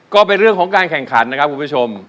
ก็เป็นเรื่องของการแข่งขันนะครับคุณผู้ชม